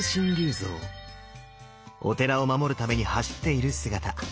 お寺を守るために走っている姿。